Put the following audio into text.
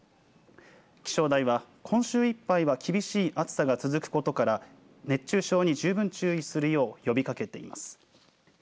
気象台は今週いっぱいは厳しい暑さが続くことから熱中症に十分注意するよう呼びかけています。